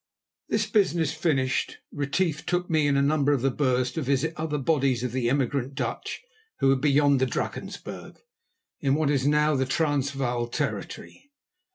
This business finished, Retief took me and a number of the Boers to visit other bodies of the emigrant Dutch who were beyond the Drakensberg, in what is now the Transvaal territory.